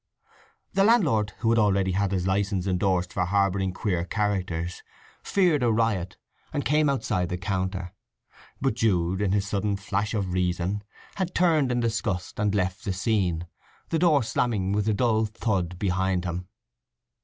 The landlord, who had already had his license endorsed for harbouring queer characters, feared a riot, and came outside the counter; but Jude, in his sudden flash of reason, had turned in disgust and left the scene, the door slamming with a dull thud behind him.